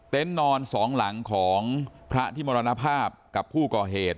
นอนสองหลังของพระที่มรณภาพกับผู้ก่อเหตุ